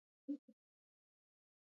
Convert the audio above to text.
افغانستان د جواهرات له پلوه متنوع دی.